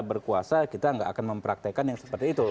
berkuasa kita nggak akan mempraktekan yang seperti itu